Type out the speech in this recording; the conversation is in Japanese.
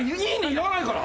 いらないから。